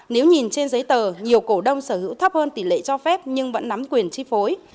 nếu nhìn trên giấy tờ nhiều cổ đông sở hữu thấp hơn tỷ lệ cho phép nhưng vẫn nắm quyền chi phối